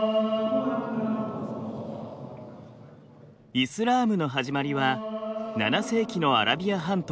イスラームの始まりは７世紀のアラビア半島。